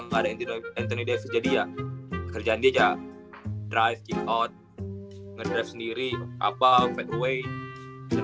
nggak ada anthony davis jadi ya kerjaan dia aja drive kick out ngedrive sendiri apa fade away dan